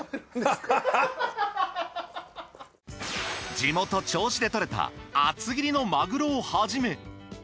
地元銚子で獲れた厚切りのマグロをはじめ